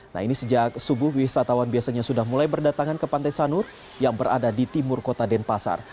nah ini sejak subuh wisatawan biasanya sudah mulai berdatangan ke pantai sanur yang berada di timur kota denpasar